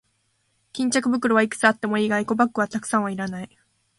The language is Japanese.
巾着袋はいくつあってもいいが、エコバッグはたくさんはいらない。